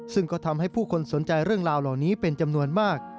ซึ่งก็ทำให้ผู้คนสนใจเรื่องราวเหล่านี้เป็นจำนวนมาก